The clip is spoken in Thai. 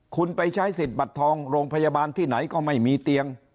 คุณไปใช้สิทธิ์บัตรทองโรงพยาบาลที่ไหนก็ไม่มีเตียง